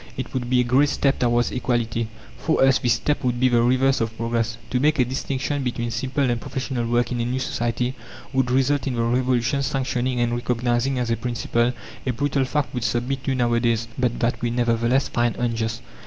It would be a great step towards equality." For us this step would be the reverse of progress. To make a distinction between simple and professional work in a new society would result in the Revolution sanctioning and recognizing as a principle a brutal fact we submit to nowadays, but that we nevertheless find unjust.